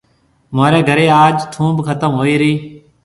مهوريَ گهريَ آج ٿونڀ ختم هوئِي رِي